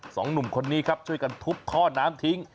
หนุ่มคนนี้ครับช่วยกันทุบท่อน้ำทิ้ง